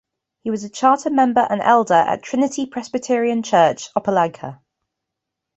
He was a charter member and elder at Trinity Presbyterian Church, Opelika.